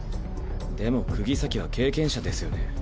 でも釘崎は経験者ですよね？